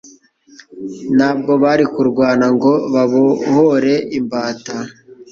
Ntabwo bari kurwana ngo babohore imbata